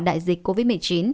đại dịch covid một mươi chín